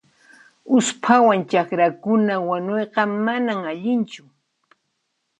Usphawan chakrakuna wanuyqa manan allinchu.